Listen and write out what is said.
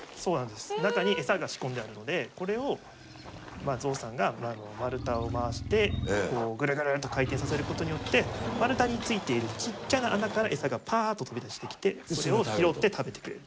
中にエサが仕込んであるのでこれをゾウさんが丸太を回してぐるぐるっと回転させることによって丸太についているちっちゃな穴からエサがパーッと飛び出してきてそれを拾って食べてくれる。